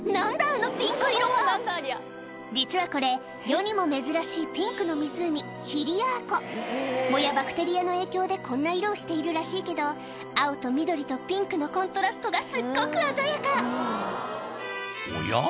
あのピンク色は実はこれ世にも珍しいピンクの湖藻やバクテリアの影響でこんな色をしているらしいけど青と緑とピンクのコントラストがすっごく鮮やかおや？